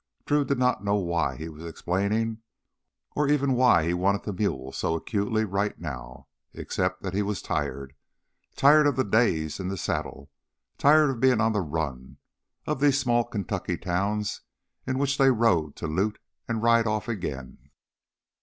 Drew did not know why he was explaining, or even why he wanted the mule so acutely right now. Except that he was tired, tired of the days in the saddle, of being on the run, of these small Kentucky towns into which they rode to loot and ride off again.